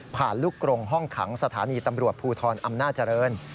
ลูกกรงห้องขังสถานีตำรวจภูทรอำนาจเจริญ